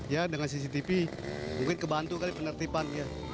ya dengan cctv mungkin kebantu kali penertiban